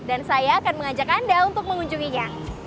dan saya akan mengajak anda untuk mengunjunginya